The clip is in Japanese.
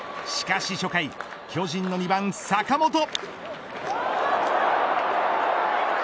しかし初回、巨人の２番、坂本。